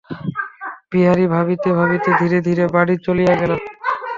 বিহারী ভাবিতে ভাবিতে ধীরে ধীরে বাড়ি চলিয়া গেল।